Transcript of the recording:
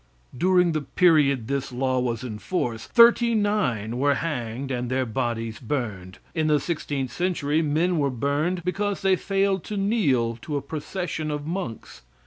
During the period this law was in force, thirty nine were hanged and their bodies burned. In the 16th century men were burned because they failed to kneel to a procession of monks.